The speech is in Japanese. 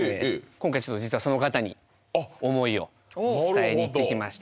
今回ちょっと実はその方に思いを伝えに行ってきました